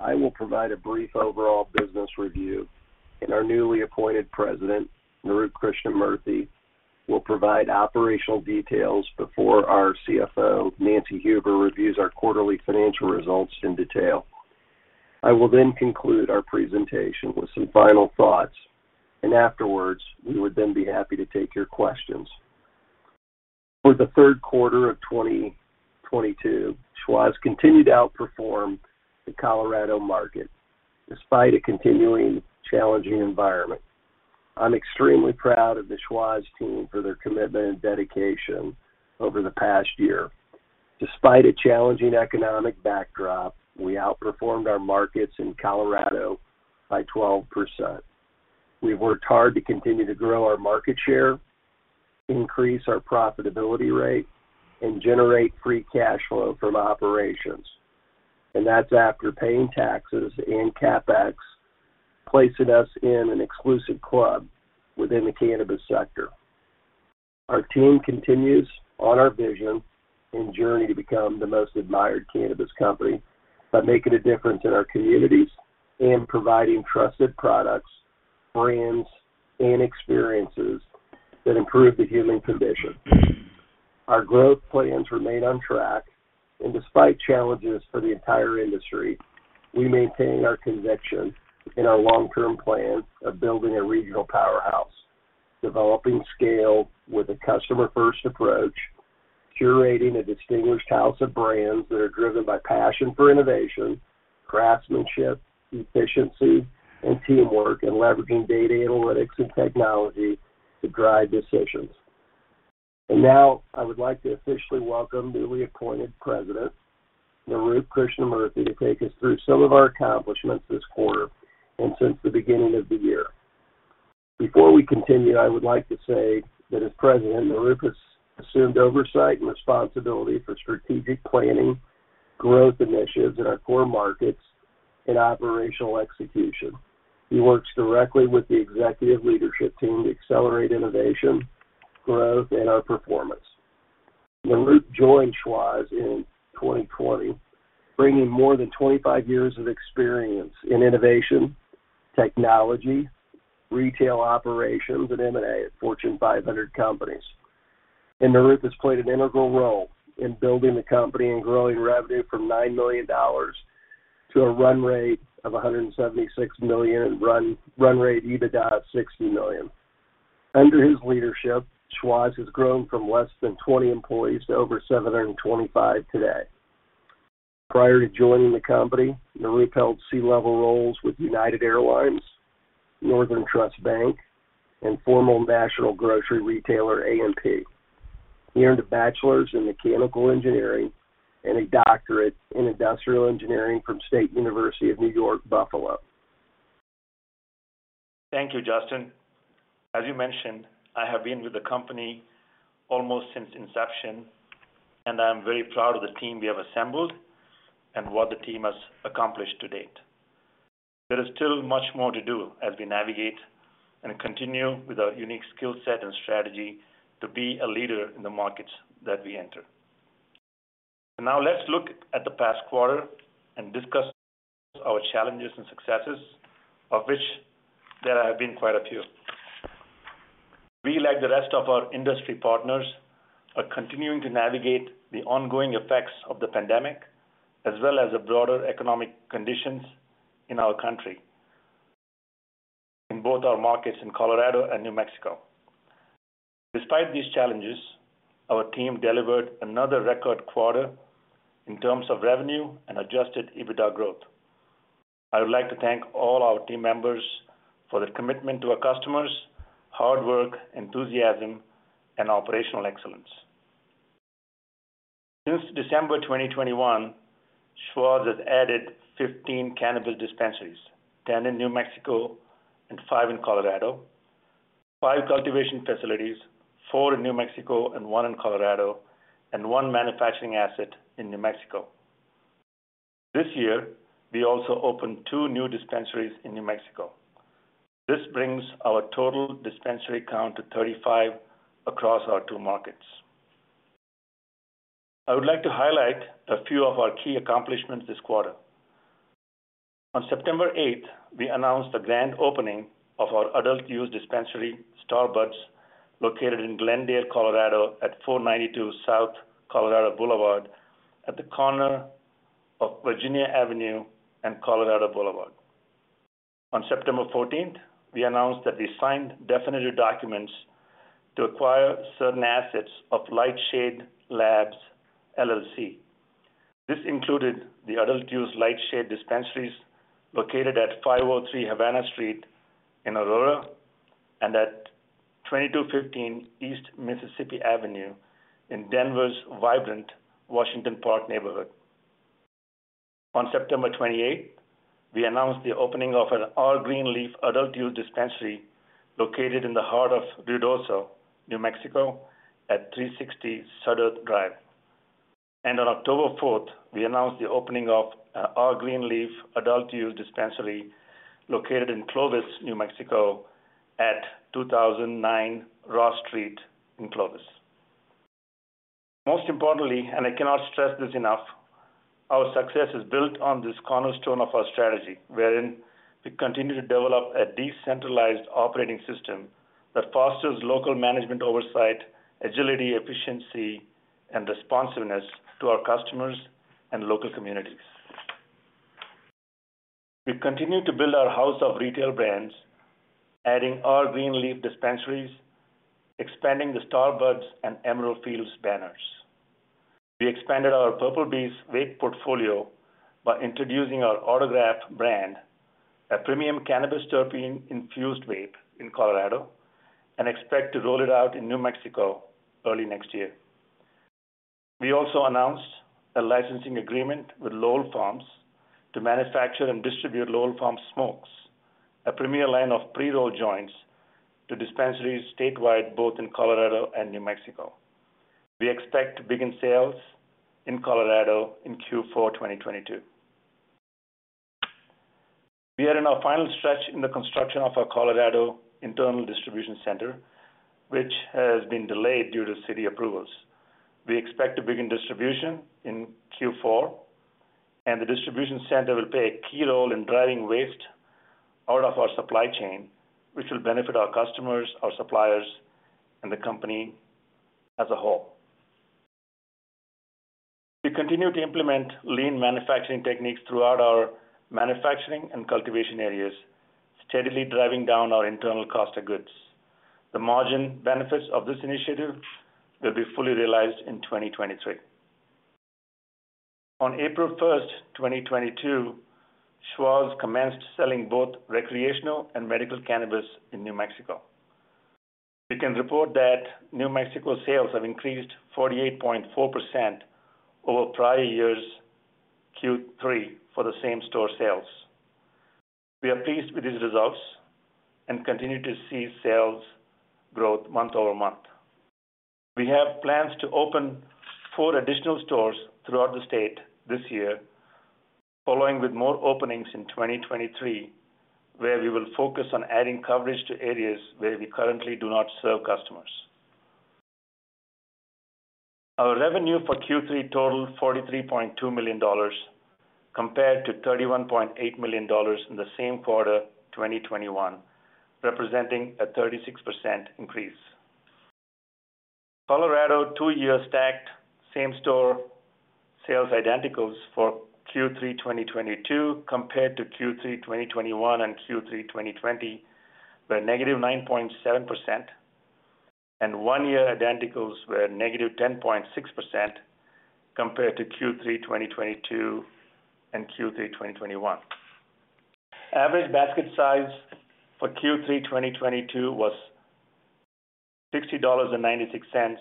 I will provide a brief overall business review, and our newly appointed President, Nirup Krishnamurthy, will provide operational details before our CFO, Nancy Huber, reviews our quarterly financial results in detail. I will then conclude our presentation with some final thoughts, and afterwards, we would then be happy to take your questions. For the third quarter of 2022, Schwazze continued to outperform the Colorado market despite a continuing challenging environment. I'm extremely proud of the Schwazze team for their commitment and dedication over the past year. Despite a challenging economic backdrop, we outperformed our markets in Colorado by 12%. We worked hard to continue to grow our market share, increase our profitability rate, and generate free cash flow from operations, and that's after paying taxes and CapEx, placing us in an exclusive club within the cannabis sector. Our team continues on our vision and journey to become the most admired cannabis company by making a difference in our communities and providing trusted products, brands, and experiences that improve the human condition. Our growth plans remain on track, and despite challenges for the entire industry, we maintain our conviction in our long-term plan of building a regional powerhouse, developing scale with a customer-first approach, curating a distinguished house of brands that are driven by passion for innovation, craftsmanship, efficiency, and teamwork, and leveraging data analytics and technology to drive decisions. Now, I would like to officially welcome newly appointed President, Nirup Krishnamurthy, to take us through some of our accomplishments this quarter and since the beginning of the year. Before we continue, I would like to say that as President, Nirup has assumed oversight and responsibility for strategic planning, growth initiatives in our core markets, and operational execution. He works directly with the executive leadership team to accelerate innovation, growth, and our performance. Nirup joined Schwazze in 2020, bringing more than 25 years of experience in innovation, technology, retail operations, and M&A at Fortune 500 companies. Nirup has played an integral role in building the company and growing revenue from $9 million to a run rate of $176 million, run rate EBITDA of $60 million. Under his leadership, Schwazze has grown from less than 20 employees to over 725 today. Prior to joining the company, Nirup held C-level roles with United Airlines, Northern Trust Bank, and former national grocery retailer, A&P. He earned a bachelor's in mechanical engineering and a doctorate in industrial engineering from State University of New York at Buffalo. Thank you, Justin. As you mentioned, I have been with the company almost since inception, and I am very proud of the team we have assembled and what the team has accomplished to date. There is still much more to do as we navigate and continue with our unique skill set and strategy to be a leader in the markets that we enter. Now let's look at the past quarter and discuss our challenges and successes, of which there have been quite a few. We, like the rest of our industry partners, are continuing to navigate the ongoing effects of the pandemic as well as the broader economic conditions in our country in both our markets in Colorado and New Mexico. Despite these challenges, our team delivered another record quarter in terms of revenue and adjusted EBITDA growth. I would like to thank all our team members for their commitment to our customers, hard work, enthusiasm, and operational excellence. Since December 2021, Schwazze has added 15 cannabis dispensaries, 10 in New Mexico and five in Colorado, five cultivation facilities, four in New Mexico and one in Colorado, and one manufacturing asset in New Mexico. This year, we also opened two new dispensaries in New Mexico. This brings our total dispensary count to 35 across our two markets. I would like to highlight a few of our key accomplishments this quarter. On September 8, we announced the grand opening of our adult use dispensary, Star Buds, located in Glendale, Colorado at 492 South Colorado Boulevard at the corner of Virginia Avenue and Colorado Boulevard. On September 14, we announced that we signed definitive documents to acquire certain assets of Lightshade Labs LLC. This included the adult-use Lightshade dispensaries located at 503 Havana Street in Aurora and at 2215 East Mississippi Avenue in Denver's vibrant Washington Park neighborhood. On September 28, we announced the opening of an R.Greenleaf adult-use dispensary located in the heart of Ruidoso, New Mexico at 360 Sudderth Drive. On October 4, we announced the opening of R.Greenleaf adult-use dispensary located in Clovis, New Mexico at 2009 Ross Street in Clovis. Most importantly, and I cannot stress this enough, our success is built on this cornerstone of our strategy, wherein we continue to develop a decentralized operating system that fosters local management oversight, agility, efficiency, and responsiveness to our customers and local communities. We continue to build our house of retail brands, adding R.Greenleaf dispensaries, expanding the Star Buds and Emerald Fields banners. We expanded our Purplebee's vape portfolio by introducing our Autograph brand, a premium cannabis terpene-infused vape in Colorado, and expect to roll it out in New Mexico early next year. We also announced a licensing agreement with Lowell Farms to manufacture and distribute Lowell Smokes, a premier line of pre-rolled joints to dispensaries statewide, both in Colorado and New Mexico. We expect to begin sales in Colorado in Q4 2022. We are in our final stretch in the construction of our Colorado internal distribution center, which has been delayed due to city approvals. We expect to begin distribution in Q4, and the distribution center will play a key role in driving waste out of our supply chain, which will benefit our customers, our suppliers, and the company as a whole. We continue to implement lean manufacturing techniques throughout our manufacturing and cultivation areas, steadily driving down our internal cost of goods. The margin benefits of this initiative will be fully realized in 2023. On April 1st, 2022, Schwazze commenced selling both recreational and medical cannabis in New Mexico. We can report that New Mexico sales have increased 48.4% over prior year's Q3 for the same-store sales. We are pleased with these results and continue to see sales growth month-over-month. We have plans to open four additional stores throughout the state this year, following with more openings in 2023, where we will focus on adding coverage to areas where we currently do not serve customers. Our revenue for Q3 totaled $43.2 million compared to $31.8 million in the same quarter 2021, representing a 36% increase. Colorado two-year stacked same-store sales identicals for Q3 2022 compared to Q3 2021 and Q3 2020 were -9.7%, and one-year identicals were -10.6% compared to Q3 2022 and Q3 2021. Average basket size for Q3 2022 was $60.96,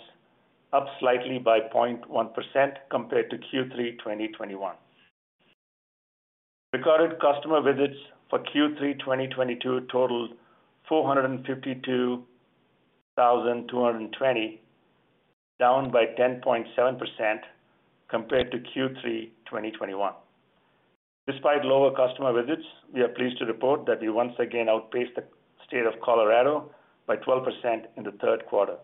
up slightly by 0.1% compared to Q3 2021. Recorded customer visits for Q3 2022 totaled 452,220, down by 10.7% compared to Q3 2021. Despite lower customer visits, we are pleased to report that we once again outpaced the state of Colorado by 12% in the third quarter.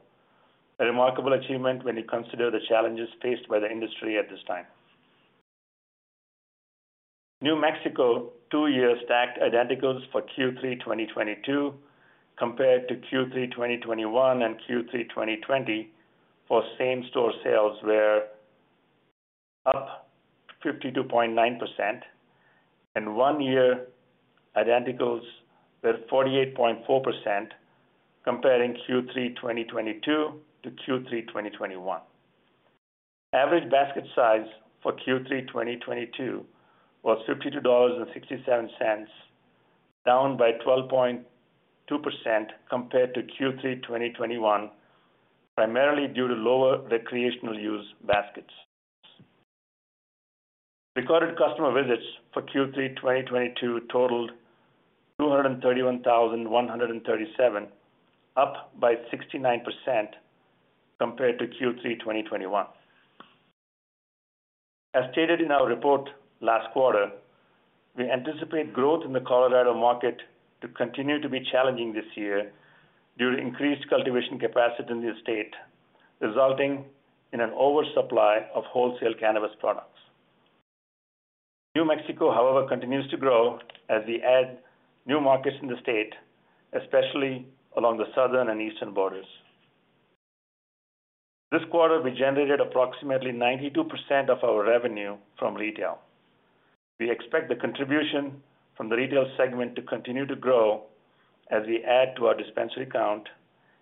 A remarkable achievement when you consider the challenges faced by the industry at this time. New Mexico two-year stacked identicals for Q3 2022 compared to Q3 2021 and Q3 2020 for same-store sales were up 52.9%, and one-year identicals were 48.4% comparing Q3 2022 to Q3 2021. Average basket size for Q3 2022 was $52.67, down by 12.2% compared to Q3 2021, primarily due to lower recreational use baskets. Recorded customer visits for Q3 2022 totaled 231,137, up by 69% compared to Q3 2021. As stated in our report last quarter, we anticipate growth in the Colorado market to continue to be challenging this year due to increased cultivation capacity in the state, resulting in an oversupply of wholesale cannabis products. New Mexico, however, continues to grow as we add new markets in the state, especially along the southern and eastern borders. This quarter, we generated approximately 92% of our revenue from retail. We expect the contribution from the retail segment to continue to grow as we add to our dispensary count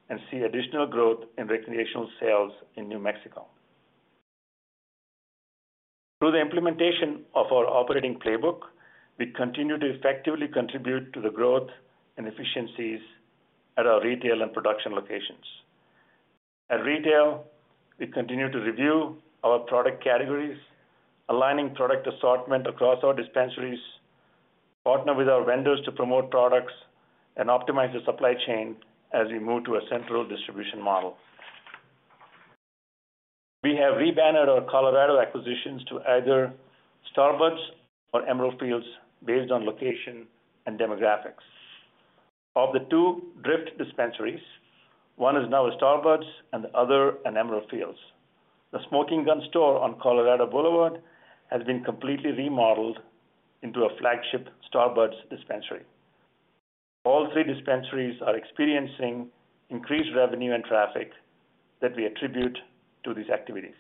and see additional growth in recreational sales in New Mexico. Through the implementation of our operating playbook, we continue to effectively contribute to the growth and efficiencies at our retail and production locations. At retail, we continue to review our product categories, aligning product assortment across our dispensaries, partner with our vendors to promote products, and optimize the supply chain as we move to a central distribution model. We have rebannered our Colorado acquisitions to either Star Buds or Emerald Fields based on location and demographics. Of the two Drift dispensaries, one is now a Star Buds and the other an Emerald Fields. The Smoking Gun store on Colorado Boulevard has been completely remodeled into a flagship Star Buds dispensary. All three dispensaries are experiencing increased revenue and traffic that we attribute to these activities.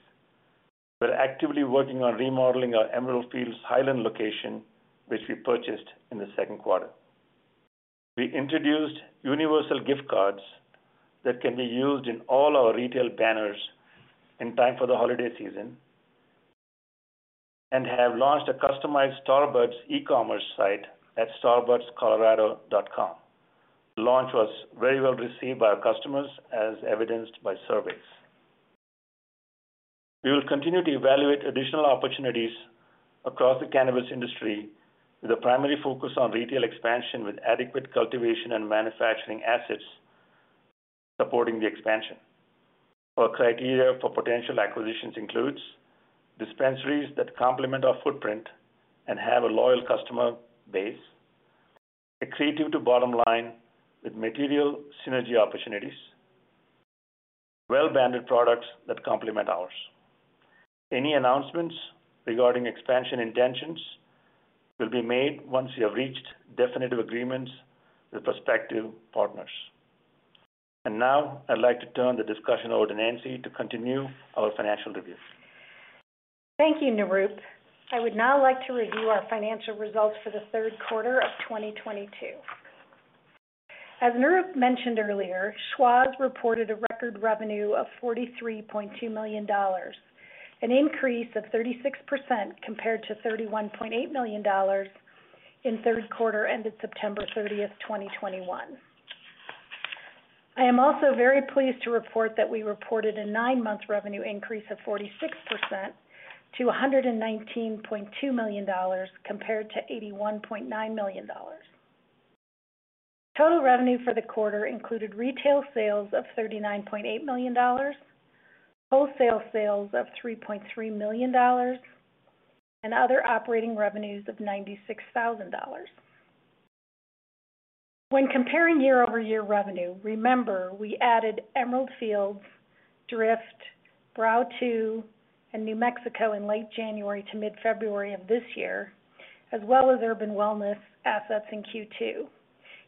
We're actively working on remodeling our Emerald Fields Highland location, which we purchased in the second quarter. We introduced universal gift cards that can be used in all our retail banners in time for the holiday season, and have launched a customized Star Buds e-commerce site at starbudscolorado.com. Launch was very well received by our customers as evidenced by surveys. We will continue to evaluate additional opportunities across the cannabis industry, with a primary focus on retail expansion with adequate cultivation and manufacturing assets supporting the expansion. Our criteria for potential acquisitions includes dispensaries that complement our footprint and have a loyal customer base, accretive to bottom line with material synergy opportunities, well-branded products that complement ours. Any announcements regarding expansion intentions will be made once we have reached definitive agreements with prospective partners. Now, I'd like to turn the discussion over to Nancy to continue our financial review. Thank you, Nirup. I would now like to review our financial results for the third quarter of 2022. As Nirup mentioned earlier, Schwazze reported a record revenue of $43.2 million, an increase of 36% compared to $31.8 million in third quarter ended September 30th, 2021. I am also very pleased to report that we reported a nine-month revenue increase of 46% to $119.2 million compared to $81.9 million. Total revenue for the quarter included retail sales of $39.8 million, wholesale sales of $3.3 million, and other operating revenues of $96,000. When comparing year-over-year revenue, remember, we added Emerald Fields, Drift, Brow 2, and New Mexico in late January to mid-February of this year, as well as Urban Wellness assets in Q2.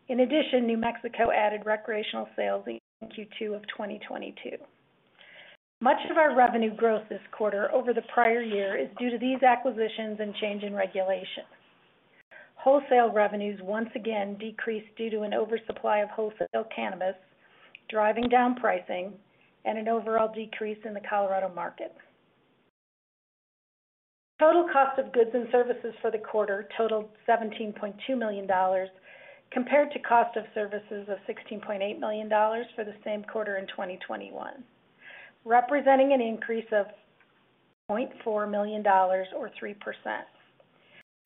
In addition, New Mexico added recreational sales in Q2 of 2022. Much of our revenue growth this quarter over the prior year is due to these acquisitions and change in regulations. Wholesale revenues once again decreased due to an oversupply of wholesale cannabis, driving down pricing and an overall decrease in the Colorado market. Total cost of goods and services for the quarter totaled $17.2 million, compared to cost of services of $16.8 million for the same quarter in 2021, representing an increase of $0.4 million or 3%.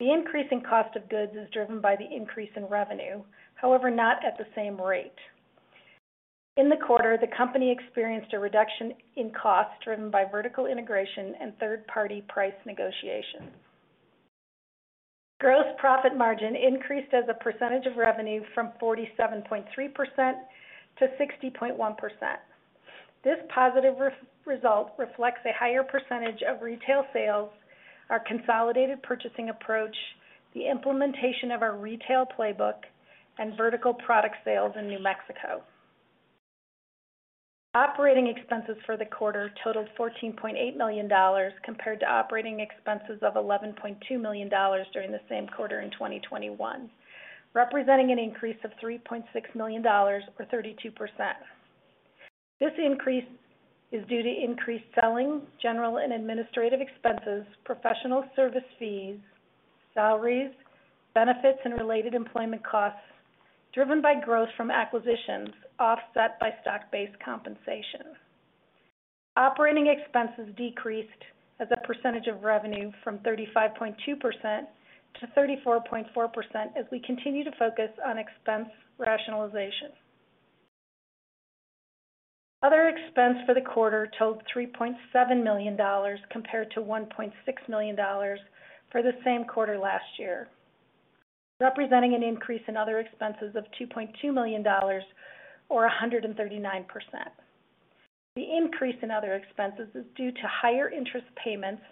The increase in cost of goods is driven by the increase in revenue; however, not at the same rate. In the quarter, the company experienced a reduction in costs driven by vertical integration and third-party price negotiations. Gross profit margin increased as a percentage of revenue from 47.3% to 60.1%. This positive result reflects a higher percentage of retail sales, our consolidated purchasing approach, the implementation of our retail playbook, and vertical product sales in New Mexico. Operating expenses for the quarter totaled $14.8 million compared to operating expenses of $11.2 million during the same quarter in 2021, representing an increase of $3.6 million or 32%. This increase is due to increased selling, general and administrative expenses, professional service fees, salaries, benefits, and related employment costs driven by growth from acquisitions offset by stock-based compensation. Operating expenses decreased as a percentage of revenue from 35.2% to 34.4% as we continue to focus on expense rationalization. Other expense for the quarter totaled $3.7 million compared to $1.6 million for the same quarter last year, representing an increase in other expenses of $2.2 million or 139%. The increase in other expenses is due to higher interest payments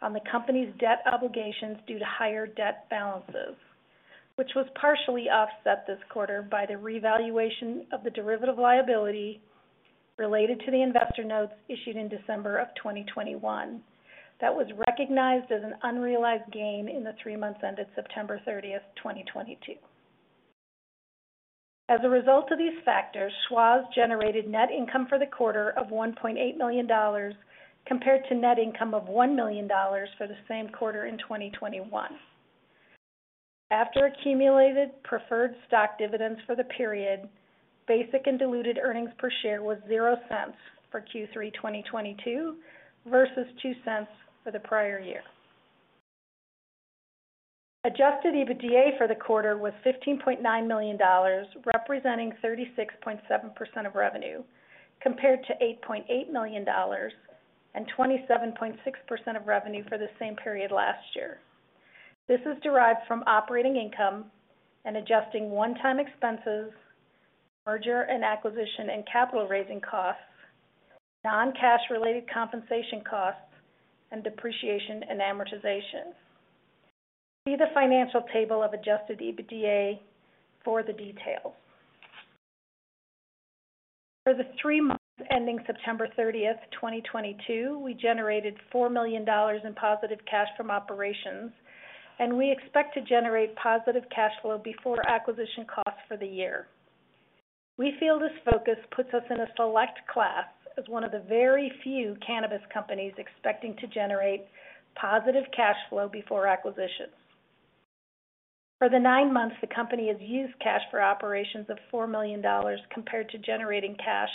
on the company's debt obligations due to higher debt balances, which was partially offset this quarter by the revaluation of the derivative liability related to the investor notes issued in December 2021 that was recognized as an unrealized gain in the three months ended September 30, 2022. As a result of these factors, Schwazze generated net income for the quarter of $1.8 million compared to net income of $1 million for the same quarter in 2021. After accumulated preferred stock dividends for the period, basic and diluted earnings per share was $0.00 for Q3 2022 versus $0.02 for the prior year. Adjusted EBITDA for the quarter was $15.9 million, representing 36.7% of revenue, compared to $8.8 million and 27.6% of revenue for the same period last year. This is derived from operating income and adjusting one-time expenses, merger and acquisition and capital raising costs, non-cash related compensation costs, and depreciation and amortization. See the financial table of adjusted EBITDA for the details. For the three months ending September 30, 2022, we generated $4 million in positive cash from operations, and we expect to generate positive cash flow before acquisition costs for the year. We feel this focus puts us in a select class as one of the very few cannabis companies expecting to generate positive cash flow before acquisitions. For the nine months, the company has used cash for operations of $4 million compared to generating cash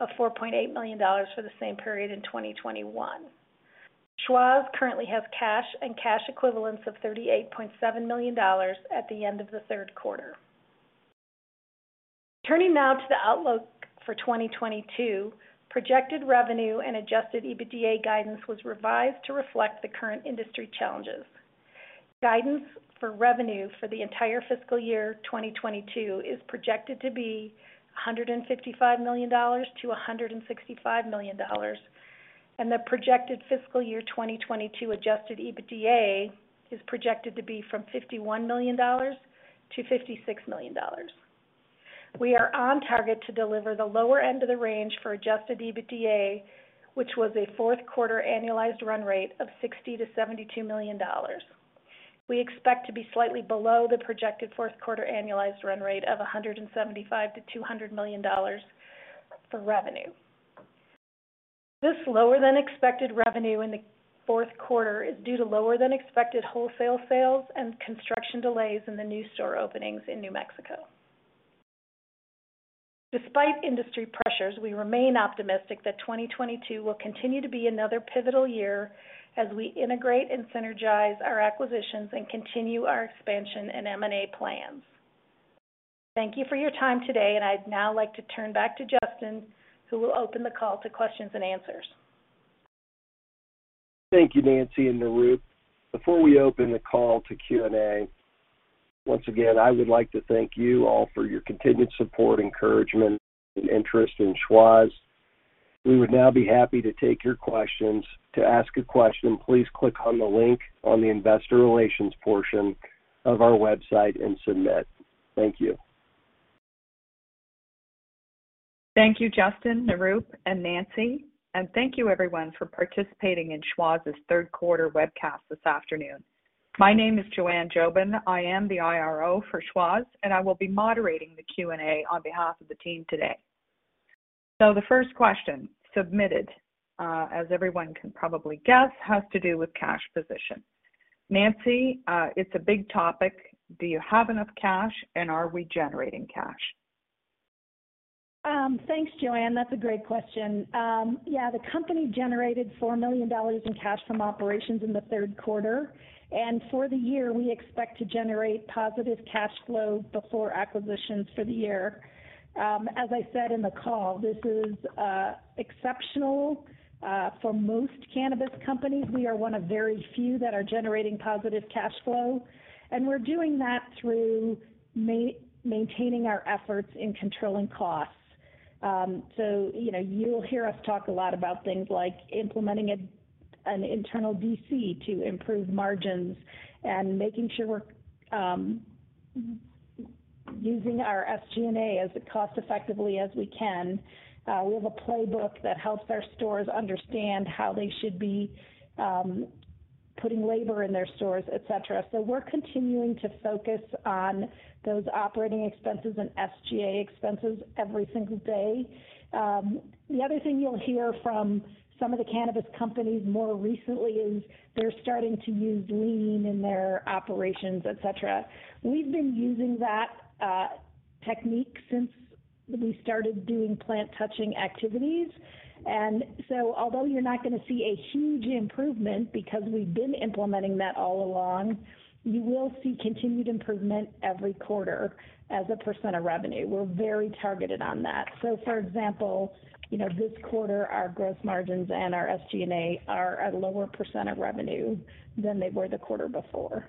of $4.8 million for the same period in 2021. Schwazze currently has cash and cash equivalents of $38.7 million at the end of the third quarter. Turning now to the outlook for 2022, projected revenue and adjusted EBITDA guidance was revised to reflect the current industry challenges. Guidance for revenue for the entire fiscal year 2022 is projected to be $155 million-$165 million, and the projected fiscal year 2022 adjusted EBITDA is projected to be from $51 million-$56 million. We are on target to deliver the lower end of the range for adjusted EBITDA, which was a fourth quarter annualized run rate of $60 million-$72 million. We expect to be slightly below the projected fourth quarter annualized run rate of $175 million-$200 million for revenue. This lower than expected revenue in the fourth quarter is due to lower than expected wholesale sales and construction delays in the new store openings in New Mexico. Despite industry pressures, we remain optimistic that 2022 will continue to be another pivotal year as we integrate and synergize our acquisitions and continue our expansion and M&A plans. Thank you for your time today, and I'd now like to turn back to Justin, who will open the call to questions and answers. Thank you, Nancy and Nirup. Before we open the call to Q&A, once again, I would like to thank you all for your continued support, encouragement, and interest in Schwazze. We would now be happy to take your questions. To ask a question, please click on the link on the investor relations portion of our website and submit. Thank you. Thank you, Justin, Nirup, and Nancy. Thank you everyone for participating in Schwazze's third quarter webcast this afternoon. My name is Joanne Jobin. I am the IRO for Schwazze, and I will be moderating the Q&A on behalf of the team today. The first question submitted, as everyone can probably guess, has to do with cash position. Nancy, it's a big topic. Do you have enough cash, and are we generating cash? Thanks, Joanne. That's a great question. Yeah, the company generated $4 million in cash from operations in the third quarter. For the year, we expect to generate positive cash flow before acquisitions for the year. As I said in the call, this is exceptional for most cannabis companies. We are one of very few that are generating positive cash flow, and we're doing that through maintaining our efforts in controlling costs. You know, you'll hear us talk a lot about things like implementing an internal DC to improve margins and making sure we're using our SG&A as cost effectively as we can. We have a playbook that helps our stores understand how they should be putting labor in their stores, et cetera. We're continuing to focus on those operating expenses and SG&A expenses every single day. The other thing you'll hear from some of the cannabis companies more recently is they're starting to use lean in their operations, et cetera. We've been using that technique since we started doing plant touching activities. Although you're not gonna see a huge improvement because we've been implementing that all along, you will see continued improvement every quarter as a percent of revenue. We're very targeted on that. For example, you know, this quarter, our gross margins and our SG&A are a lower percent of revenue than they were the quarter before.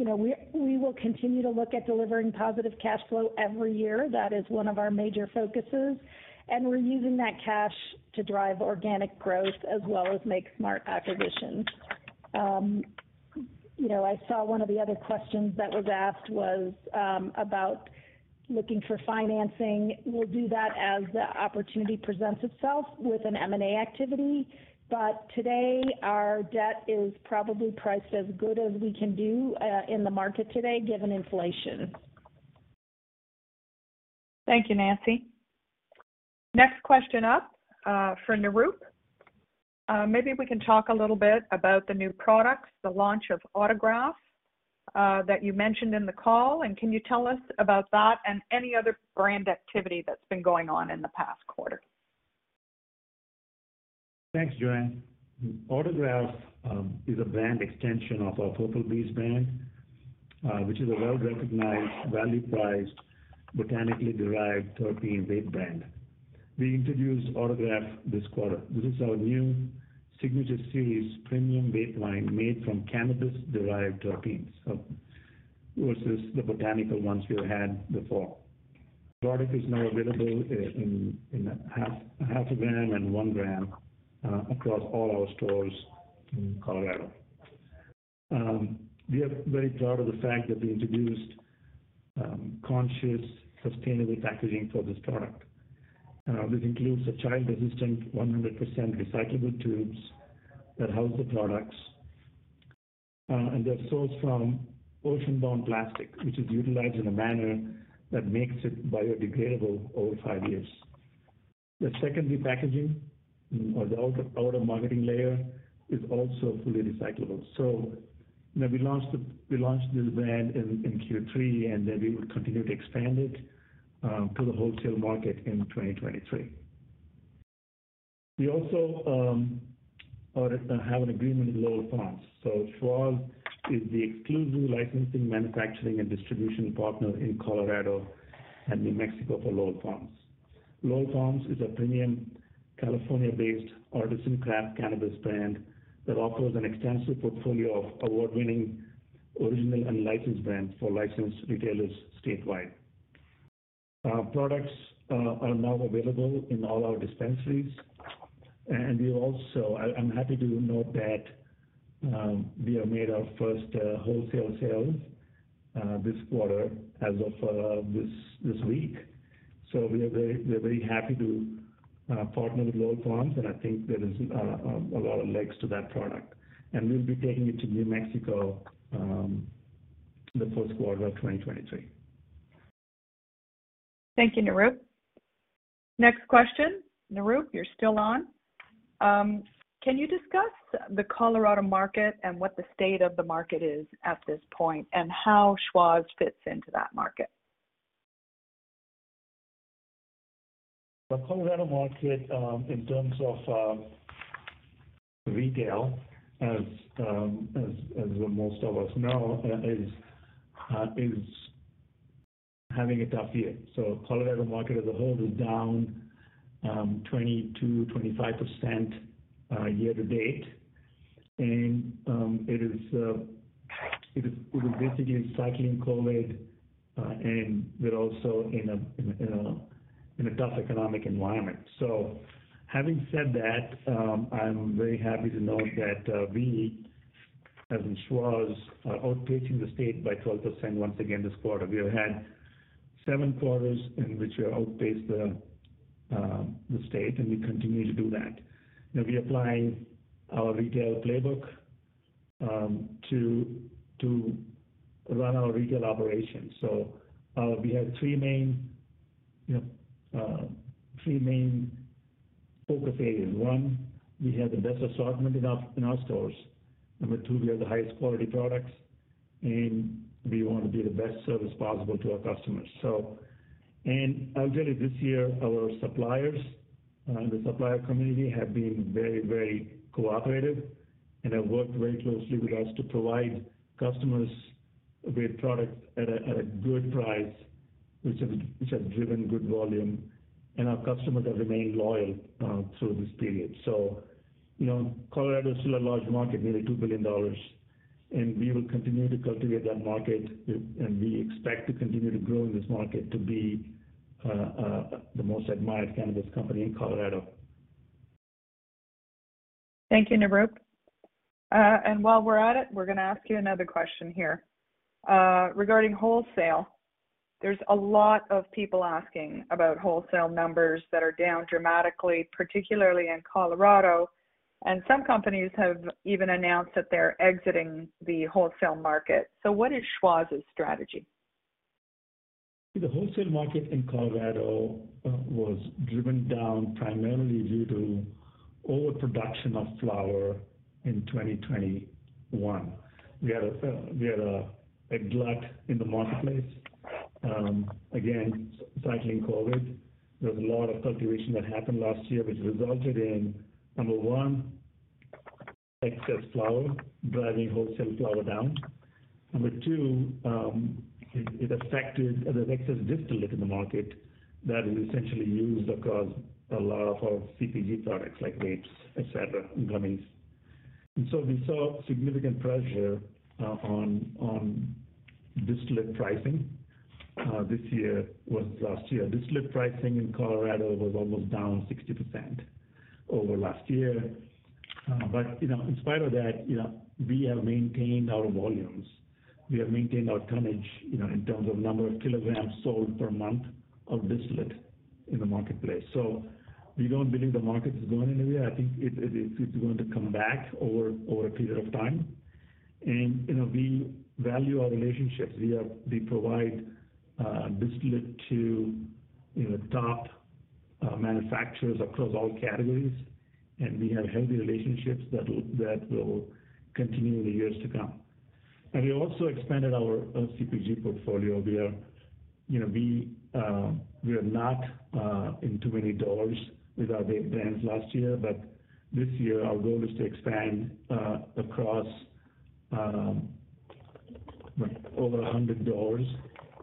You know, we will continue to look at delivering positive cash flow every year. That is one of our major focuses, and we're using that cash to drive organic growth as well as make smart acquisitions. You know, I saw one of the other questions that was asked was about looking for financing. We'll do that as the opportunity presents itself with an M&A activity. Today, our debt is probably priced as good as we can do in the market today, given inflation. Thank you, Nancy. Next question up, for Nirup. Maybe we can talk a little bit about the new products, the launch of Autograph, that you mentioned in the call, and can you tell us about that and any other brand activity that's been going on in the past quarter? Thanks, Joanne. Autograph is a brand extension of our Purplebee's brand, which is a well-recognized value priced botanically derived terpene vape brand. We introduced Autograph this quarter. This is our new signature series premium vape line made from cannabis-derived terpenes, so versus the botanical ones we had before. The product is now available in 0.5 g and 1 g across all our stores in Colorado. We are very proud of the fact that we introduced conscious sustainable packaging for this product. This includes the child resistant 100% recyclable tubes that house the products, and they're sourced from ocean-bound plastic, which is utilized in a manner that makes it biodegradable over five years. The secondary packaging or the outer marketing layer is also fully recyclable. You know, we launched this brand in Q3, and then we will continue to expand it to the wholesale market in 2023. We also have an agreement with Lowell Farms. Schwazze is the exclusive licensing, manufacturing and distribution partner in Colorado and New Mexico for Lowell Farms. Lowell Farms is a premium California-based artisan craft cannabis brand that offers an extensive portfolio of award-winning original and licensed brands for licensed retailers statewide. Our products are now available in all our dispensaries. I'm happy to note that we have made our first wholesale sales this quarter as of this week. We're very happy to partner with Lowell Farms, and I think there is a lot of legs to that product. We'll be taking it to New Mexico in the first quarter of 2023. Thank you, Nirup. Next question. Nirup, you're still on. Can you discuss the Colorado market and what the state of the market is at this point, and how Schwazze fits into that market? The Colorado market, in terms of retail, as most of us know, is having a tough year. Colorado market as a whole is down 20%-25% year-to-date. It is basically cycling COVID, and we're also in a tough economic environment. Having said that, I'm very happy to note that we, as in Schwazze, are outpacing the state by 12% once again this quarter. We have had seven quarters in which we outpaced the state, and we continue to do that. You know, we apply our retail playbook to run our retail operations. We have three main focus areas. One, we have the best assortment in our stores. Number two, we have the highest quality products, and we want to be the best service possible to our customers. I'll tell you this year, our suppliers and the supplier community have been very, very cooperative and have worked very closely with us to provide customers great products at a good price, which have driven good volume. Our customers have remained loyal through this period. You know, Colorado is still a large market, nearly $2 billion, and we will continue to cultivate that market. We expect to continue to grow in this market to be the most admired cannabis company in Colorado. Thank you, Nirup. While we're at it, we're gonna ask you another question here. Regarding wholesale, there's a lot of people asking about wholesale numbers that are down dramatically, particularly in Colorado, and some companies have even announced that they're exiting the wholesale market. What is Schwazze's strategy? The wholesale market in Colorado was driven down primarily due to overproduction of flower in 2021. We had a glut in the marketplace. Again, cycling COVID. There was a lot of cultivation that happened last year, which resulted in, number one, excess flower, driving wholesale flower down. Number two, it affected the excess distillate in the market that is essentially used across a lot of our CPG products like vapes, etc., and gummies. We saw significant pressure on distillate pricing last year. Distillate pricing in Colorado was almost down 60% over last year. In spite of that, you know, we have maintained our volumes. We have maintained our tonnage, you know, in terms of number of kilograms sold per month of distillate in the marketplace. We don't believe the market is going anywhere. I think it is going to come back over a period of time. You know, we value our relationships. We provide distillate to top manufacturers across all categories, and we have healthy relationships that will continue in the years to come. We also expanded our CPG portfolio. You know, we are not in too many doors with our vape brands last year. This year our goal is to expand across over 100 doors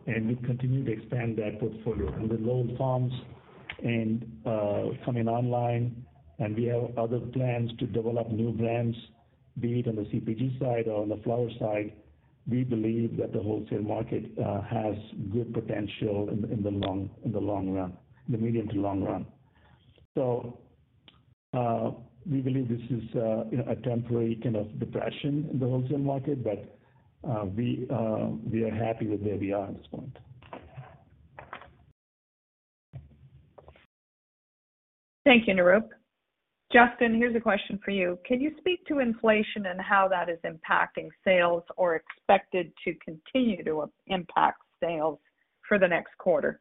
and we continue to expand that portfolio. With Lowell Farms and coming online, and we have other plans to develop new brands, be it on the CPG side or on the flower side, we believe that the wholesale market has good potential in the medium to long run. We believe this is, you know, a temporary kind of depression in the wholesale market, but we are happy with where we are at this point. Thank you, Nirup. Justin, here's a question for you. Can you speak to inflation and how that is impacting sales or expected to continue to impact sales for the next quarter?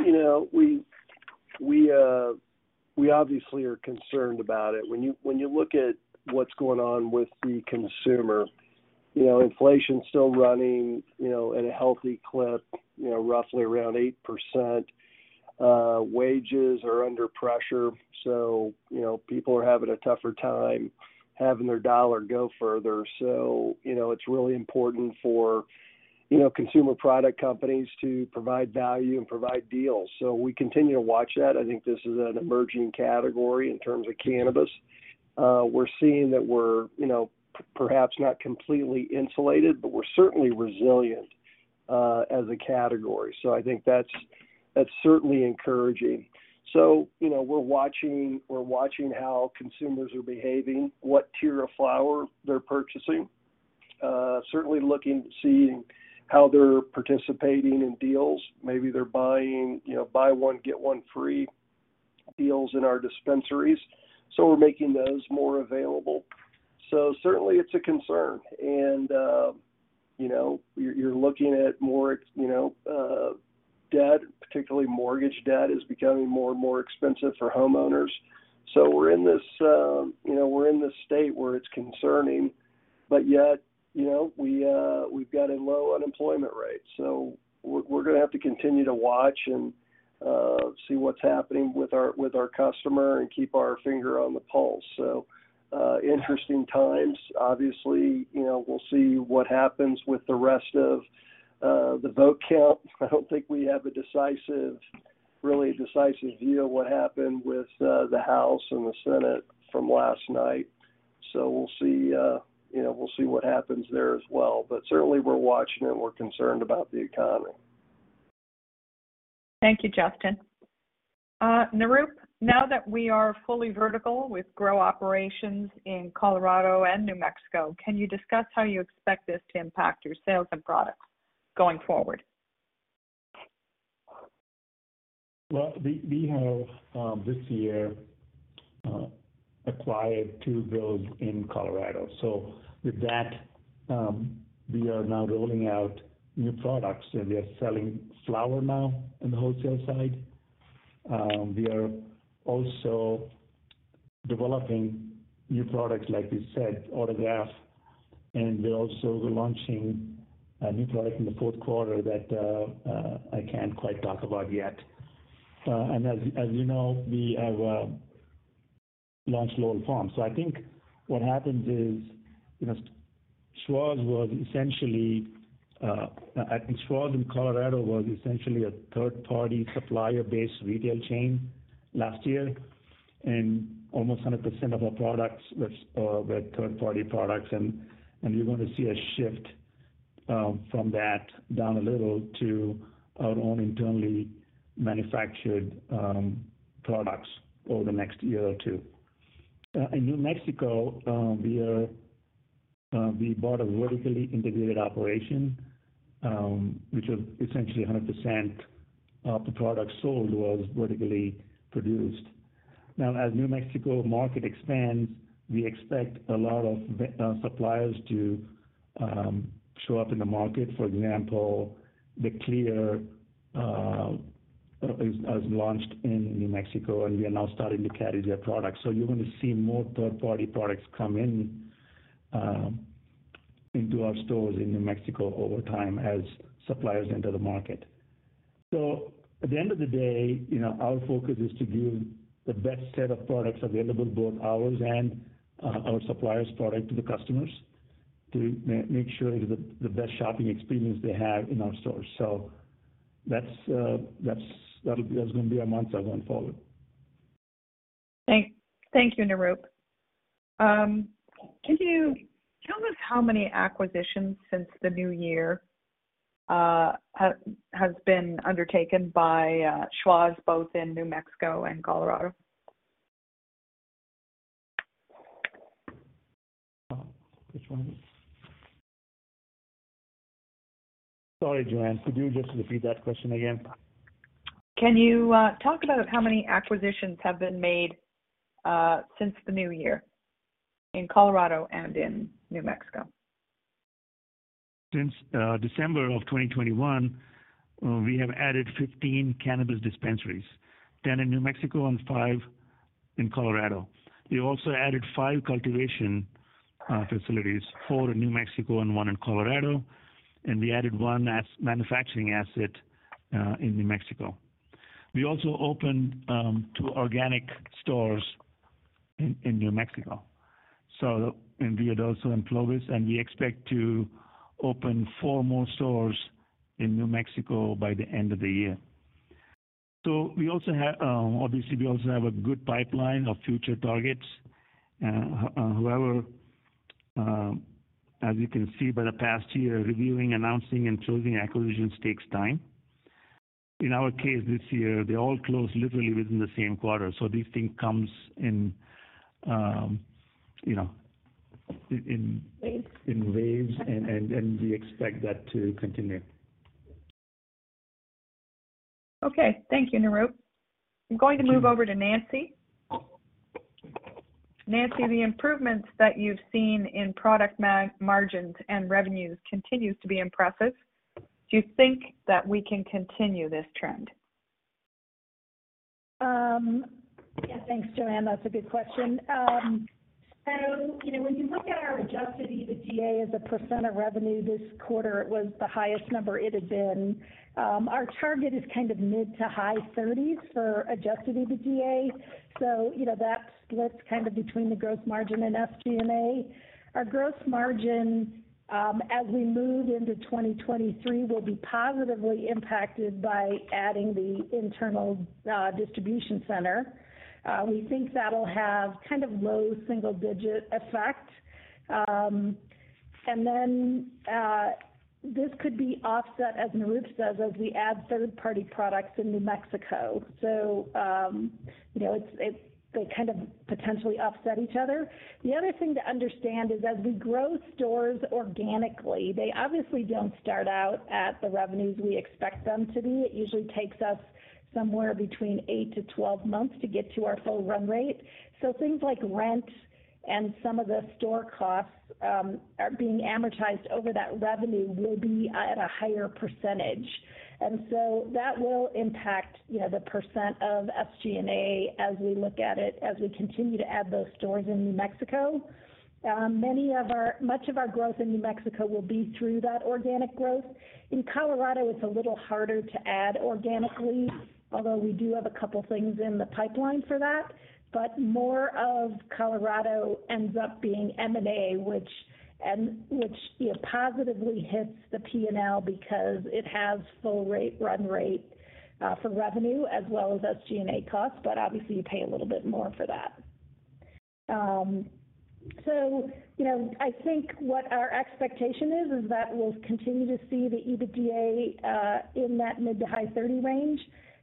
You know, we obviously are concerned about it. When you look at what's going on with the consumer, you know, inflation's still running, you know, at a healthy clip, you know, roughly around 8%. Wages are under pressure, so, you know, people are having a tougher time having their dollar go further. It's really important for, you know, consumer product companies to provide value and provide deals. We continue to watch that. I think this is an emerging category in terms of cannabis. We're seeing that we're, you know, perhaps not completely insulated, but we're certainly resilient, as a category. I think that's certainly encouraging. We're watching how consumers are behaving, what tier of flower they're purchasing. Certainly looking, seeing how they're participating in deals. Maybe they're buying, you know, buy one, get one free deals in our dispensaries, so we're making those more available. Certainly it's a concern. You know, you're looking at more, you know, debt, particularly mortgage debt is becoming more and more expensive for homeowners. We're in this state where it's concerning, but yet, you know, we've got a low unemployment rate. We're gonna have to continue to watch and see what's happening with our customer and keep our finger on the pulse. Interesting times. Obviously, you know, we'll see what happens with the rest of the vote count. I don't think we have a decisive, really decisive view of what happened with the House and the Senate from last night. You know, we'll see what happens there as well. Certainly we're watching and we're concerned about the economy. Thank you, Justin. Nirup, now that we are fully vertical with grow operations in Colorado and New Mexico, can you discuss how you expect this to impact your sales and products going forward? We have this year acquired two grows in Colorado. With that, we are now rolling out new products, and we are selling flower now in the wholesale side. We are also developing new products like we said, Autograph, and we are also launching a new product in the fourth quarter that I can't quite talk about yet. As you know, we have launched Lowell Farms. I think what happens is, you know, I think Schwazze in Colorado was essentially a third-party supplier-based retail chain last year. Almost 100% of our products were third-party products. You're going to see a shift from that down a little to our own internally manufactured products over the next year or two. In New Mexico, we bought a vertically integrated operation, which is essentially 100% of the product sold was vertically produced. Now, as New Mexico market expands, we expect a lot of suppliers to show up in the market. For example, The Clear has launched in New Mexico, and we are now starting to carry their products. You're gonna see more third-party products come into our stores in New Mexico over time as suppliers enter the market. At the end of the day, you know, our focus is to give the best set of products available, both ours and our suppliers' product to the customers to make sure the best shopping experience they have in our stores. That's gonna be our mantra going forward. Thank you, Nirup. Can you tell us how many acquisitions since the new year has been undertaken by Schwazze, both in New Mexico and Colorado? Which one? Sorry, Joanne, could you just repeat that question again? Can you talk about how many acquisitions have been made since the new year in Colorado and in New Mexico? Since December of 2021, we have added 15 cannabis dispensaries. Ten in New Mexico and five in Colorado. We also added five cultivation facilities, four in New Mexico and one in Colorado, and we added one manufacturing asset in New Mexico. We also opened two organic stores in New Mexico, in Ruidoso and Clovis, and we expect to open four more stores in New Mexico by the end of the year. Obviously we also have a good pipeline of future targets. However, as you can see by the past year, reviewing, announcing, and closing acquisitions takes time. In our case this year, they all closed literally within the same quarter, so these things come, you know, in waves, and we expect that to continue. Okay. Thank you, Nirup. I'm going to move over to Nancy. Nancy, the improvements that you've seen in product margins and revenues continues to be impressive. Do you think that we can continue this trend? Yeah, thanks, Joanne. That's a good question. You know, when you look at our adjusted EBITDA as a percent of revenue this quarter, it was the highest number it had been. Our target is kind of mid- to high-30s for adjusted EBITDA, so you know, that splits kind of between the gross margin and SG&A. Our gross margin, as we move into 2023, will be positively impacted by adding the internal distribution center. We think that'll have kind of low single-digit effect. This could be offset, as Nirup says, as we add third-party products in New Mexico. You know, it's they kind of potentially offset each other. The other thing to understand is, as we grow stores organically, they obviously don't start out at the revenues we expect them to be. It usually takes us somewhere between eight to 12 months to get to our full run rate. Things like rent and some of the store costs are being amortized over that. Revenue will be at a higher percentage. That will impact, you know, the percent of SG&A as we look at it, as we continue to add those stores in New Mexico. Much of our growth in New Mexico will be through that organic growth. In Colorado, it's a little harder to add organically, although we do have a couple things in the pipeline for that. More of Colorado ends up being M&A, which, you know, positively hits the P&L because it has full run rate for revenue as well as SG&A costs, but obviously you pay a little bit more for that. You know, I think what our expectation is that we'll continue to see the EBITDA in that mid-to-high 30 range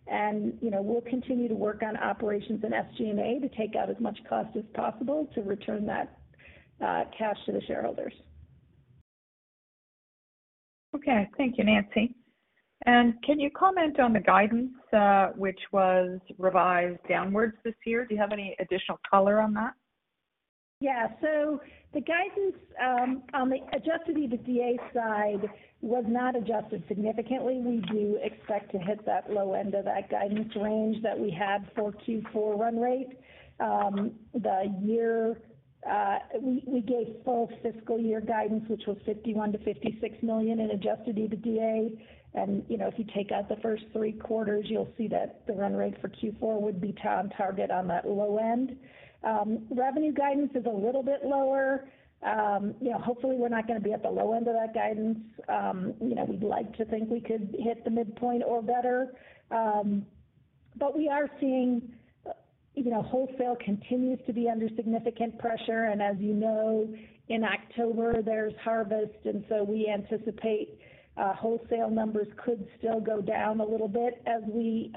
and, you know, we'll continue to work on operations and SG&A to take out as much cost as possible to return that cash to the shareholders. Okay. Thank you, Nancy. Can you comment on the guidance, which was revised downwards this year? Do you have any additional color on that? Yeah. The guidance on the adjusted EBITDA side was not adjusted significantly. We do expect to hit that low end of that guidance range that we had for Q4 run rate. The year, we gave full fiscal year guidance, which was $51 million-$56 million in adjusted EBITDA. You know, if you take out the first three quarters, you'll see that the run rate for Q4 would be on target on that low end. Revenue guidance is a little bit lower. You know, hopefully we're not gonna be at the low end of that guidance. You know, we'd like to think we could hit the midpoint or better. We are seeing, you know, wholesale continues to be under significant pressure, and as you know, in October there's harvest, and so we anticipate wholesale numbers could still go down a little bit as we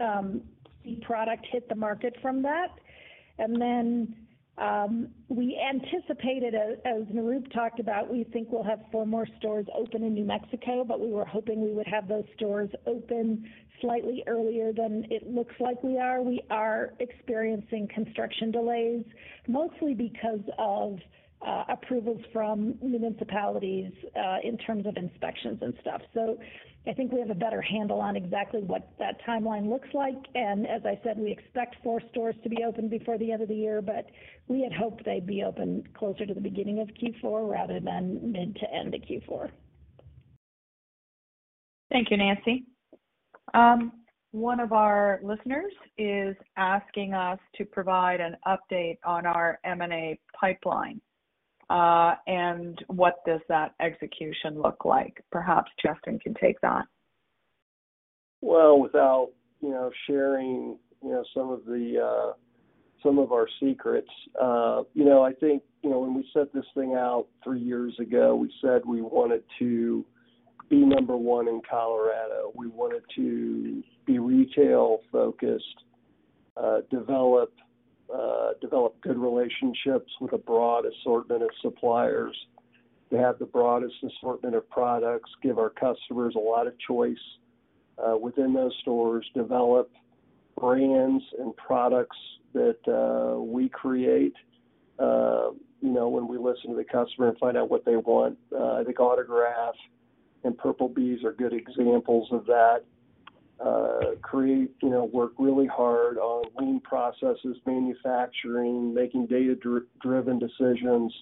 see product hit the market from that. We anticipated, as Nirup talked about, we think we'll have four more stores open in New Mexico, but we were hoping we would have those stores open slightly earlier than it looks like we are. We are experiencing construction delays mostly because of approvals from municipalities in terms of inspections and stuff. I think we have a better handle on exactly what that timeline looks like. As I said, we expect four stores to be open before the end of the year, but we had hoped they'd be open closer to the beginning of Q4 rather than mid to end of Q4. Thank you, Nancy. One of our listeners is asking us to provide an update on our M&A pipeline. What does that execution look like? Perhaps Justin can take that. Well, without you know sharing you know some of our secrets, you know, I think you know when we set this thing out three years ago we said we wanted to be number one in Colorado. We wanted to be retail-focused develop good relationships with a broad assortment of suppliers to have the broadest assortment of products give our customers a lot of choice within those stores develop brands and products that we create you know when we listen to the customer and find out what they want. I think Autograph and Purplebee's are good examples of that. Create, you know, work really hard on lean manufacturing, making data-driven decisions,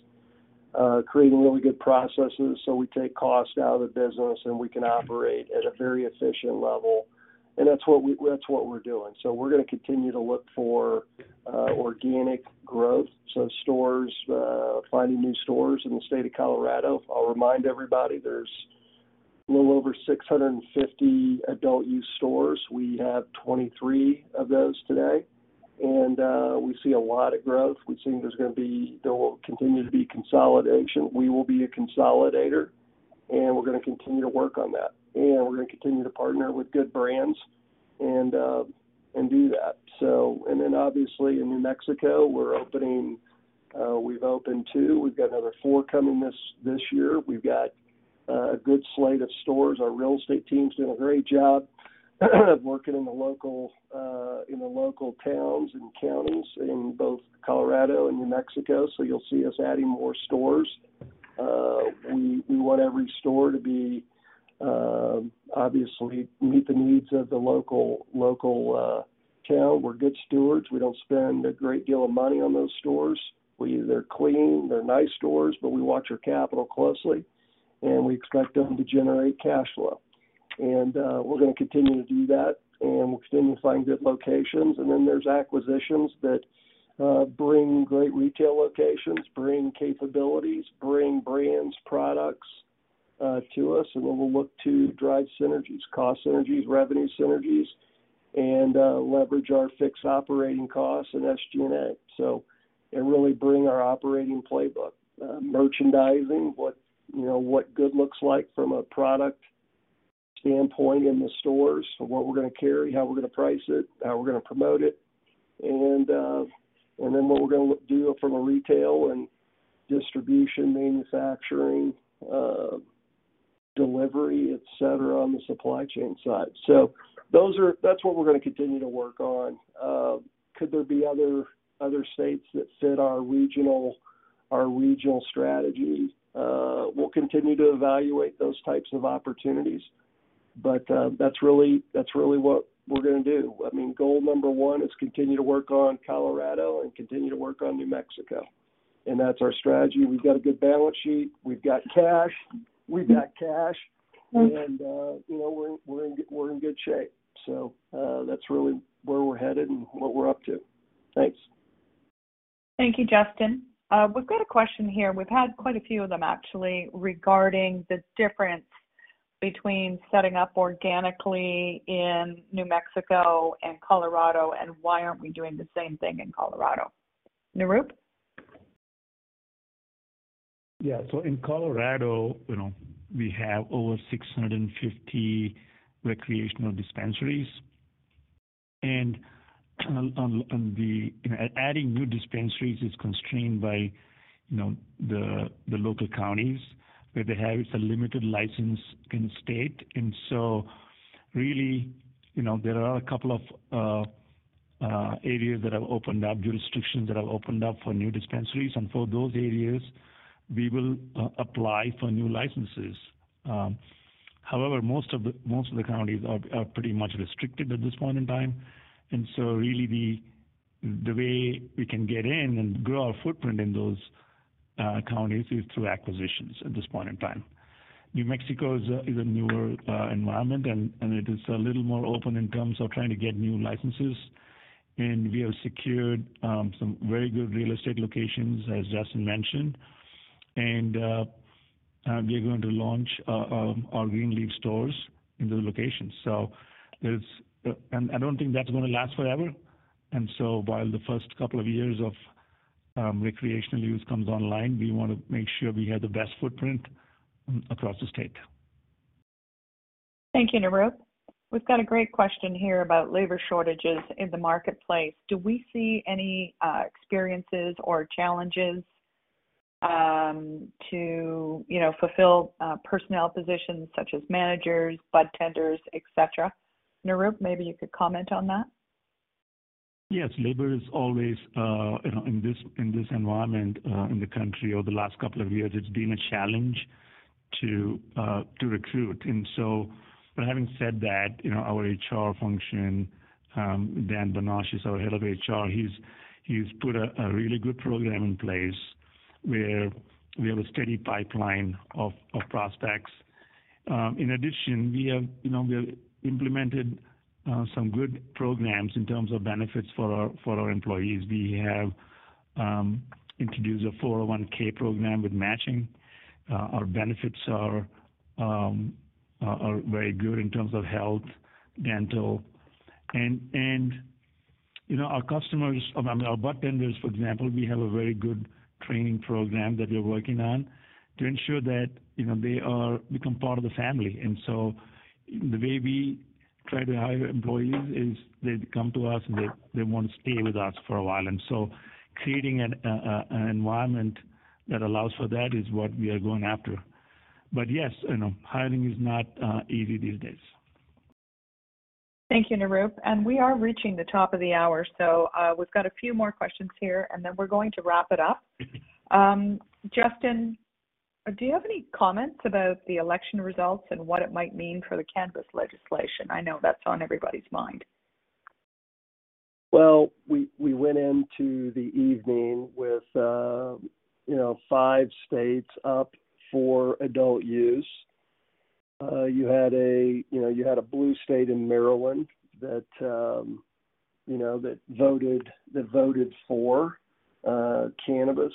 creating really good processes so we take cost out of the business and we can operate at a very efficient level. That's what we're doing. We're gonna continue to look for organic growth. Stores, finding new stores in the state of Colorado. I'll remind everybody, there's a little over 650 adult use stores. We have 23 of those today, and we see a lot of growth. We think there will continue to be consolidation. We will be a consolidator, and we're gonna continue to work on that. We're gonna continue to partner with good brands and do that. Then obviously in New Mexico, we've opened two. We've got another four coming this year. We've got a good slate of stores. Our real estate team's doing a great job, working in the local towns and counties in both Colorado and New Mexico. You'll see us adding more stores. We want every store to obviously meet the needs of the local town. We're good stewards. We don't spend a great deal of money on those stores. They're clean, they're nice stores, but we watch our capital closely, and we expect them to generate cash flow. We're gonna continue to do that, and we'll continue to find good locations. Then there's acquisitions that bring great retail locations, bring capabilities, bring brands, products to us, and then we'll look to drive synergies, cost synergies, revenue synergies, and leverage our fixed operating costs and SG&A. Really bring our operating playbook. Merchandising, you know, what good looks like from a product standpoint in the stores. What we're gonna carry, how we're gonna price it, how we're gonna promote it, and then what we're gonna do from a retail and distribution, manufacturing, delivery, et cetera, on the supply chain side. That's what we're gonna continue to work on. Could there be other states that fit our regional strategy? We'll continue to evaluate those types of opportunities, but that's really what we're gonna do. I mean, goal number one is continue to work on Colorado and continue to work on New Mexico. That's our strategy. We've got a good balance sheet. We've got cash. You know, we're in good shape. That's really where we're headed and what we're up to. Thanks. Thank you, Justin. We've got a question here, and we've had quite a few of them actually, regarding the difference between setting up organically in New Mexico and Colorado, and why aren't we doing the same thing in Colorado. Nirup? Yeah. In Colorado, you know, we have over 650 recreational dispensaries. Adding new dispensaries is constrained by, you know, the local counties, where they have some limited license in state. Really, you know, there are a couple of areas that have opened up, jurisdictions that have opened up for new dispensaries. For those areas, we will apply for new licenses. However, most of the counties are pretty much restricted at this point in time. Really, the way we can get in and grow our footprint in those counties is through acquisitions at this point in time. New Mexico is a newer environment, and it is a little more open in terms of trying to get new licenses. We have secured some very good real estate locations, as Justin mentioned. We're going to launch our Our Greenleaf stores in those locations. I don't think that's gonna last forever. While the first couple of years of recreational use comes online, we wanna make sure we have the best footprint across the state. Thank you, Nirup. We've got a great question here about labor shortages in the marketplace. Do we see any experiences or challenges to, you know, fulfill personnel positions such as managers, budtenders, et cetera? Nirup, maybe you could comment on that. Yes. Labor is always, you know, in this environment, in the country over the last couple of years, it's been a challenge to recruit. Having said that, you know, our HR function, Dan Bonach is our head of HR. He's put a really good program in place, where we have a steady pipeline of prospects. In addition, we have, you know, we have implemented some good programs in terms of benefits for our employees. We have introduced a 401(k) program with matching. Our benefits are very good in terms of health, dental. You know, I mean, our budtenders, for example, we have a very good training program that we're working on to ensure that, you know, they become part of the family. The way we try to hire employees is they come to us, and they wanna stay with us for a while. Creating an environment that allows for that is what we are going after. Yes, you know, hiring is not easy these days. Thank you, Nirup. We are reaching the top of the hour, so, we've got a few more questions here, and then we're going to wrap it up. Justin, do you have any comments about the election results and what it might mean for the cannabis legislation? I know that's on everybody's mind. Well, we went into the evening with you know, five states up for adult use. You had a blue state in Maryland that you know, that voted for cannabis.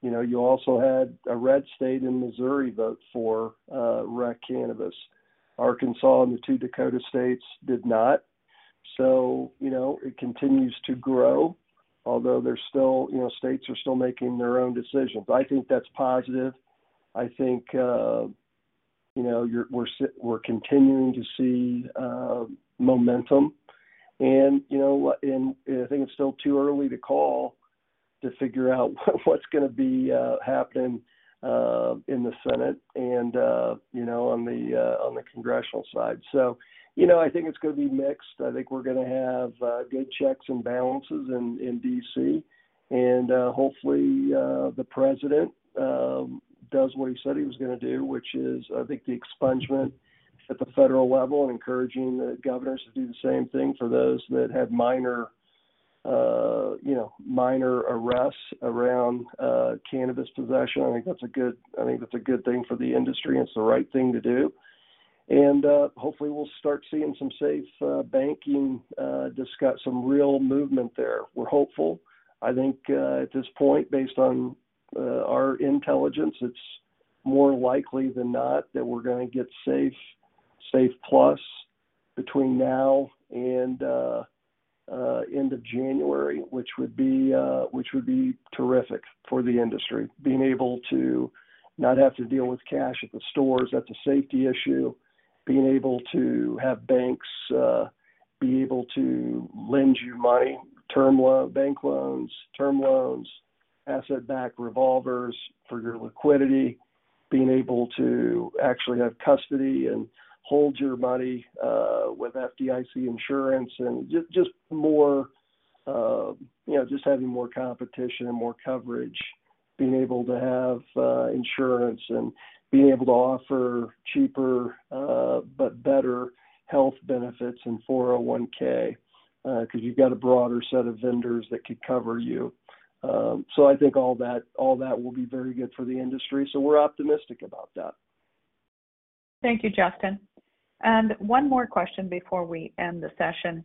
You know, you also had a red state in Missouri vote for rec cannabis. Arkansas and the two Dakota states did not. You know, it continues to grow, although, you know, states are still making their own decisions. I think that's positive. I think you know, we're continuing to see momentum. You know, I think it's still too early to call to figure out what's gonna be happening in the Senate and you know, on the congressional side. You know, I think it's gonna be mixed. I think we're gonna have good checks and balances in D.C. Hopefully, the President does what he said he was gonna do, which is I think the expungement at the federal level and encouraging the governors to do the same thing for those that had minor arrests around cannabis possession. I think that's a good thing for the industry, and it's the right thing to do. Hopefully, we'll start seeing some safe banking discussions, some real movement there. We're hopeful. I think at this point, based on our intelligence, it's more likely than not that we're gonna get safe plus between now and end of January, which would be terrific for the industry. Being able to not have to deal with cash at the stores, that's a safety issue. Being able to have banks be able to lend you money, term bank loans, term loans, asset-backed revolvers for your liquidity. Being able to actually have custody and hold your money with FDIC insurance. Just having more competition and more coverage. Being able to have insurance and being able to offer cheaper but better health benefits and 401(k) 'cause you've got a broader set of vendors that could cover you. I think all that will be very good for the industry, so we're optimistic about that. Thank you, Justin. One more question before we end the session.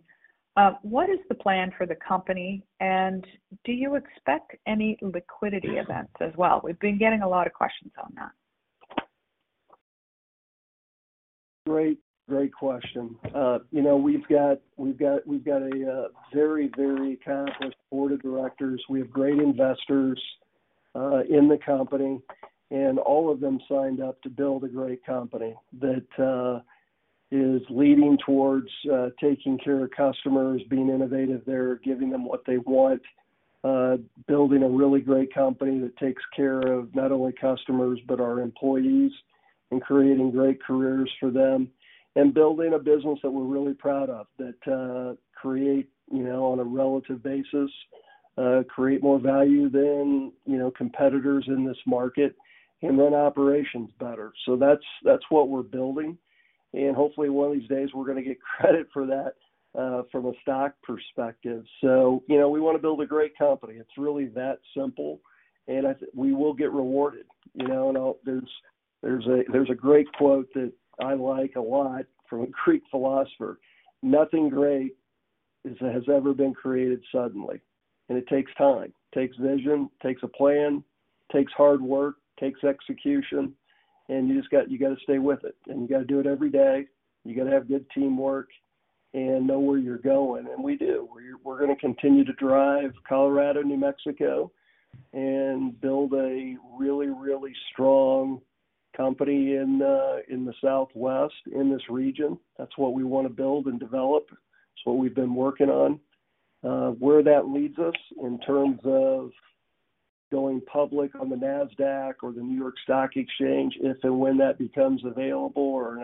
What is the plan for the company, and do you expect any liquidity events as well? We've been getting a lot of questions on that. Great, great question. You know, we've got a very accomplished board of directors. We have great investors in the company, and all of them signed up to build a great company that is leading towards taking care of customers, being innovative there, giving them what they want. Building a really great company that takes care of not only customers but our employees, and creating great careers for them. Building a business that we're really proud of, that, you know, on a relative basis create more value than you know competitors in this market, and run operations better. That's what we're building. Hopefully, one of these days we're gonna get credit for that from a stock perspective. You know, we wanna build a great company. It's really that simple, and we will get rewarded. You know, there's a great quote that I like a lot from a Greek philosopher, nothing great has ever been created suddenly. It takes time, takes vision, takes a plan, takes hard work, takes execution, and you gotta stay with it. You gotta do it every day. You gotta have good teamwork and know where you're going, and we do. We're gonna continue to drive Colorado, New Mexico, and build a really, really strong company in the Southwest, in this region. That's what we wanna build and develop. It's what we've been working on. Where that leads us in terms of going public on the Nasdaq or the New York Stock Exchange, if and when that becomes available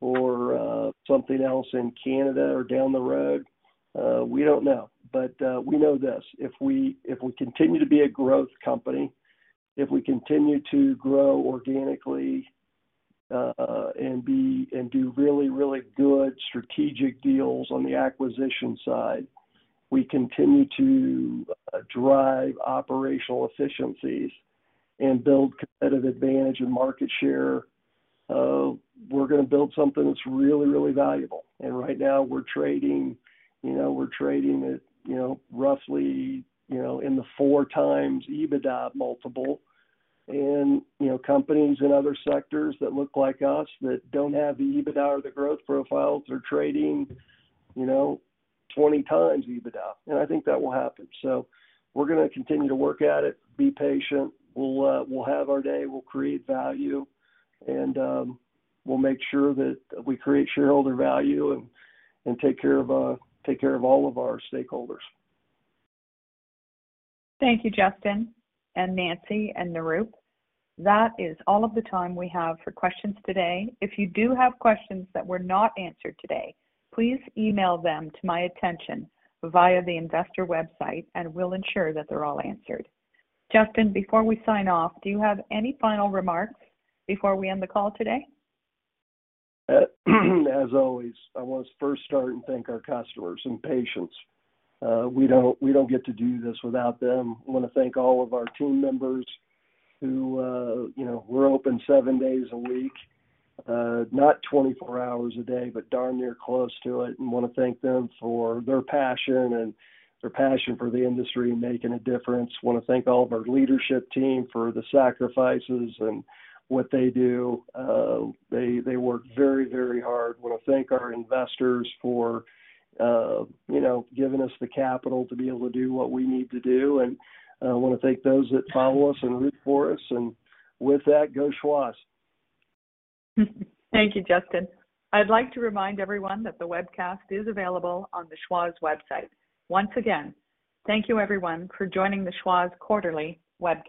or something else in Canada or down the road, we don't know. We know this, if we continue to be a growth company, if we continue to grow organically and do really, really good strategic deals on the acquisition side, we continue to drive operational efficiencies and build competitive advantage and market share, we're gonna build something that's really, really valuable. Right now we're trading, you know, at, you know, roughly, in the 4x EBITDA multiple. You know, companies in other sectors that look like us that don't have the EBITDA or the growth profiles are trading, you know, 20x EBITDA. I think that will happen. We're gonna continue to work at it, be patient. We'll have our day. We'll create value. We'll make sure that we create shareholder value and take care of all of our stakeholders. Thank you, Justin and Nancy and Nirup. That is all of the time we have for questions today. If you do have questions that were not answered today, please email them to my attention via the investor website, and we'll ensure that they're all answered. Justin, before we sign off, do you have any final remarks before we end the call today? As always, I want to first start and thank our customers and patients. We don't get to do this without them. I wanna thank all of our team members. You know, we're open seven days a week. Not 24 hours a day, but darn near close to it, and wanna thank them for their passion for the industry and making a difference. Wanna thank all of our leadership team for the sacrifices and what they do. They work very hard. Wanna thank our investors for, you know, giving us the capital to be able to do what we need to do. Wanna thank those that follow us and root for us. With that, go Schwazze. Thank you, Justin. I'd like to remind everyone that the webcast is available on the Schwazze website. Once again, thank you everyone for joining the Schwazze quarterly webcast.